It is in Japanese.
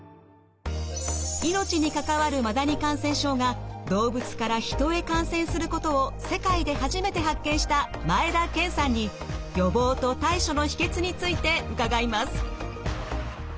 命に関わるマダニ感染症が動物から人へ感染することを世界で初めて発見した前田健さんに予防と対処の秘けつについて伺います。